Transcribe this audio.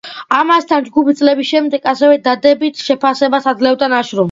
ამასთან, ჯგუფი წლების შემდეგ ასევე დადებით შეფასებას აძლევდა ნაშრომს.